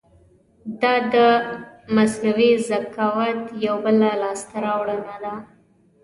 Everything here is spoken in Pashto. دا د مصنوعي ذکاوت یو بله لاسته راوړنه ده.